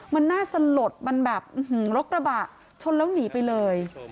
มันน่าสลดมันแบบรถกระบะชนแล้วหนีไปเลย